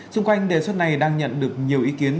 xung quanh đề xuất này đang nhận được nhiều ý kiến